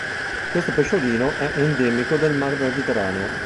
Questo pesciolino è endemico del mar Mediterraneo.